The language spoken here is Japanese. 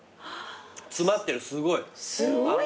詰まってるすごい。